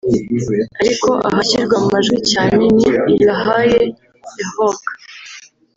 Ariko ahashyirwa mu majwi cyane ni i La Haye (The Hague)